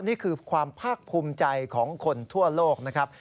นี่คือความภาคภูมิใจของคนทั่วโลกนะครับ